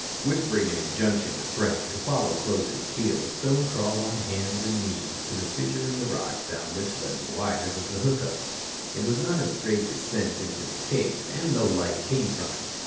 Whispering an injunction to Frank to follow close at his heels, Stone crawled on hands and knees to the fissure in the rocks down which led the wires of the hook up. It was not a straight descent into the cave, and no light came from it.